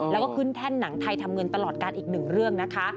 แล้วก็ขึ้นแท่นหนังไทยทำเงินตลอดการอีกหนึ่งเรื่องนะคะ